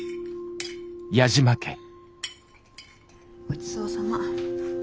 ごちそうさま。